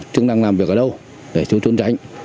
chúng đang làm việc ở đâu để chúng trốn tránh